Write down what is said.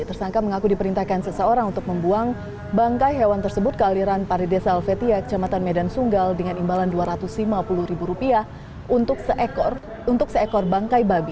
tersangka mengaku diperintahkan seseorang untuk membuang bangkai hewan tersebut ke aliran pari desa alvetia kecamatan medan sunggal dengan imbalan rp dua ratus lima puluh untuk seekor bangkai babi